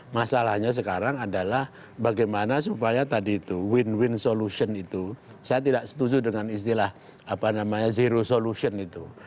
masalahnya sekarang adalah bagaimana supaya tadi itu win win solution itu saya tidak setuju dengan istilah apa namanya zero solution itu